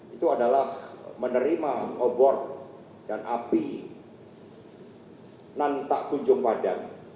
itu adalah menerima obor dan api nantak kunjung padang